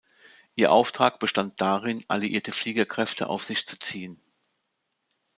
Ihr Auftrag bestand darin, alliierte Fliegerkräfte auf sich zu ziehen.